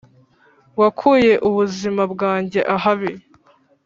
wakuye ubuzima bwajye ahabi